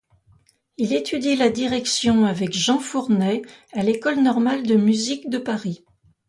Il étudie la direction avec Jean Fournet à l'École normale de musique de Paris.